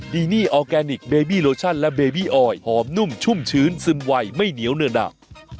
ดีนี่ออร์แกนิคเบบี้โลชั่นและเบบี้ออยหอมนุ่มชุ่มชื้นซึมไวไม่เหนียวเนื้อหนัก